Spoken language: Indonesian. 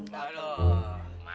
tidak tidak tidak